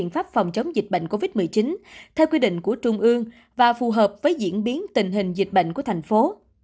phòng chống dịch bệnh covid một mươi chín theo quy định của trung ương và phù hợp với diễn biến tình hình dịch bệnh của thành phố